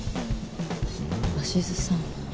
鷲津さん